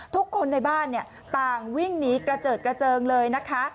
ทุกคนในบ้านต่างวิ่งหนีกระเจิดกระเจิงเลยนะคะ